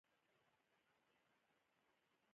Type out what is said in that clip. چې د حيواناتو رمې يې ځای پر ځای کړې وې.